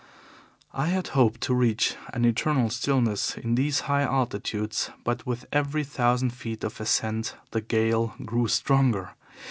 "I had hoped to reach an eternal stillness in these high altitudes, but with every thousand feet of ascent the gale grew stronger.